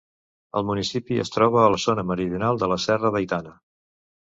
El municipi es troba a la zona meridional de la serra d'Aitana.